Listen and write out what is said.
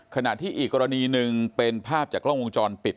ขณะที่อีกกรณีหนึ่งเป็นภาพจากกล้องวงจรปิด